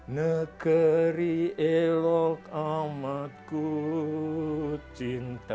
negeri elok amatku cinta